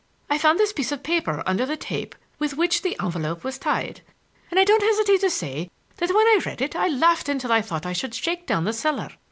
I found this piece of paper under the tape with which the envelope was tied, and I don't hesitate to say that when I read it I laughed until I thought I should shake down the cellar.